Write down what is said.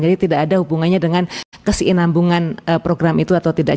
jadi tidak ada hubungannya dengan keseinambungan program itu atau tidak